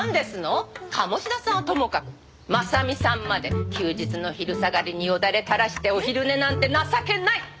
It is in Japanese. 鴨志田さんはともかく真実さんまで休日の昼下がりによだれ垂らしてお昼寝なんて情けない！